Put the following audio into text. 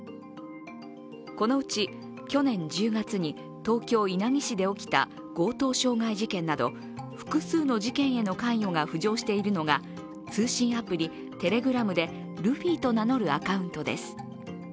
このうち去年１０月に東京・稲城市で起きた強盗傷害事件など、複数の事件への関与が浮上しているのが通信アプリ、Ｔｅｌｅｇｒａｍでルフィと名乗るアカウントです。